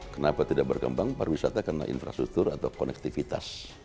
kenapa tidak berkembang pariwisata karena infrastruktur atau konektivitas